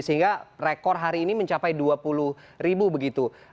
sehingga rekor hari ini mencapai dua puluh ribu begitu